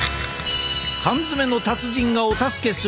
缶詰の達人がお助けする！